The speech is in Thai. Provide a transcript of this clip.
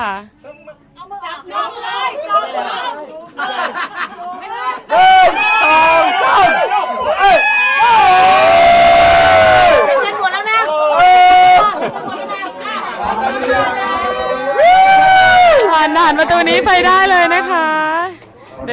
อาหารวันนี้ไปได้เลยนะครับ